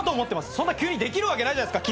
そんな急にできるわけないじゃないですか。